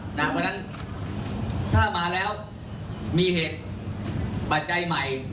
เพราะฉะนั้นถ้ามาแล้วมีเหตุปัจจัยใหม่